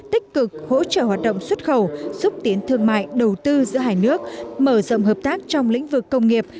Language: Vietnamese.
tích cực hỗ trợ hoạt động xuất khẩu xúc tiến thương mại đầu tư giữa hai nước mở rộng hợp tác trong lĩnh vực công nghiệp